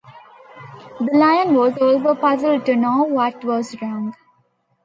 The Lion was also puzzled to know what was wrong.